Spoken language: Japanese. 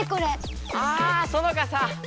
あそのかさ！